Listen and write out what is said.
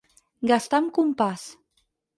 Gastar amb compàs.